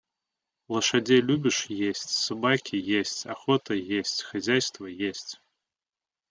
Лошадей любишь — есть, собаки — есть, охота — есть, хозяйство — есть.